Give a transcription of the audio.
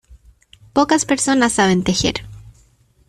Pocas personas saben tejer.